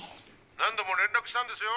☎何度も連絡したんですよ。